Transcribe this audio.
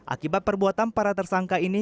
akibat perbuatan para tersangka ini